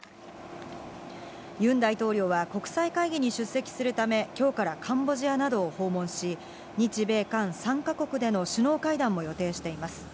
ユン大統領は国際会議に出席するため、きょうからカンボジアなどを訪問し、日米韓３か国での首脳会談も予定しています。